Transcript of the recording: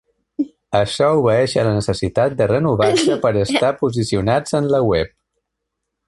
Açò obeïx a la necessitat de renovar-se per a estar posicionats en la web.